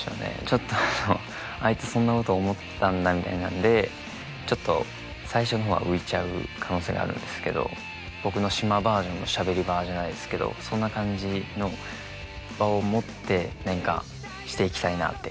ちょっと「あいつそんなこと思ってたんだ」みたいなんでちょっと最初の方は浮いちゃう可能性があるんですけど僕の島バージョンの「しゃべり場」じゃないですけどそんな感じの場を持って何かしていきたいなって考えてます。